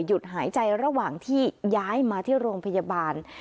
หายใจระหว่างที่ย้ายมาที่โรงพยาบาล